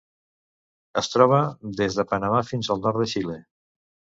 Es troba des de Panamà fins al nord de Xile.